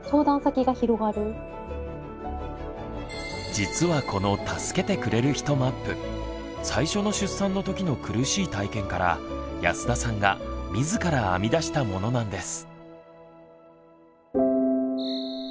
実はこの「助けてくれる人マップ」最初の出産のときの苦しい体験から安田さんが自ら編み出したものなんです。